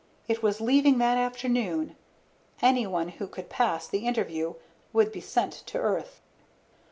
It was leaving that afternoon. Anyone who could pass the interview would be sent to Earth.